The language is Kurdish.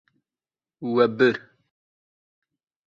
We bir.